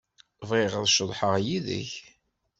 Bɣiɣ ad ceḍḥeɣ yid-k.